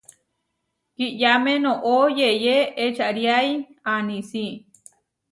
Kiʼyáme noʼó yeyé ečariái anísi.